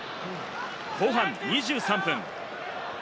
後半２３分。